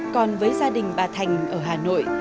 còn với gia đình bà thành ở hà nội